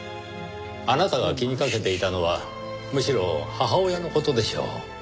あなたが気にかけていたのはむしろ母親の事でしょう。